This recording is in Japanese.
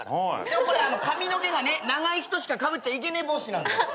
でもこれ髪の毛がね長い人しかかぶっちゃいけねえ帽子なんだよ。